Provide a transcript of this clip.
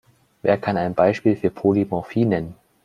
Wer kann ein Beispiel für Polymorphie nennen?